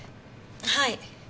はい。